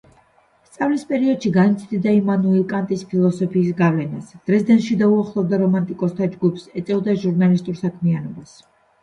სწავლის პერიოდში განიცდიდა იმანუელ კანტის ფილოსოფიის გავლენას, დრეზდენში დაუახლოვდა რომანტიკოსთა ჯგუფს; ეწეოდა ჟურნალისტურ საქმიანობას.